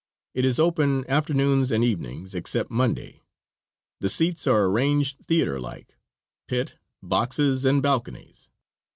It is open afternoons and evenings, except Monday. The seats are arranged theater like pit, boxes and balconies.